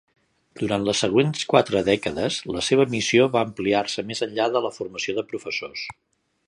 Durant les següents quatre dècades, la seva missió va ampliar-se més enllà de la formació de professors.